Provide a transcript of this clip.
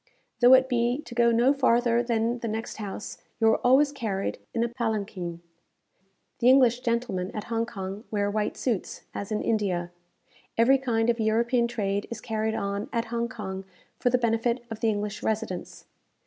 Though it be to go no farther than the next house, you are always carried in a palanquin. The English gentlemen at Hong Kong wear white suits, as in India. Every kind of European trade is carried on at Hong Kong for the benefit of the English residents.